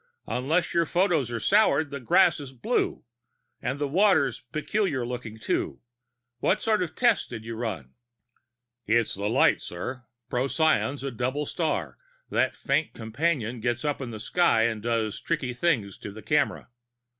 Unless your photos are sour, that grass is blue ... and the water's peculiar looking, too. What sort of tests did you run?" "It's the light, sir. Procyon's a double star; that faint companion gets up in the sky and does tricky things to the camera.